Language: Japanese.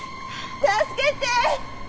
助けて！